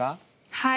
はい。